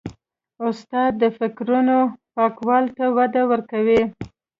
استاد د فکرونو پاکوالي ته وده ورکوي.